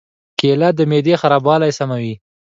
کېله د معدې خرابوالی سموي.